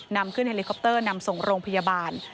นำขึ้นเฮลิคอปเตอร์นำส่งโรงพยาบาล